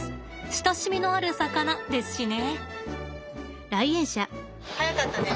親しみのある魚ですしね。